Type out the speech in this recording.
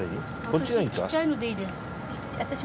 私もちっちゃいのでいい。